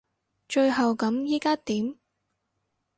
最後咁依家點？